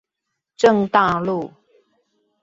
正大路